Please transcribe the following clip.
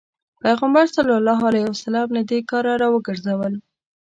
پيغمبر ص له دې کاره راوګرځول.